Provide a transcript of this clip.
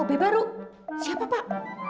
ob baru siapa pak